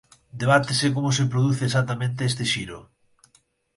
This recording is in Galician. Debátese como se produce exactamente este xiro.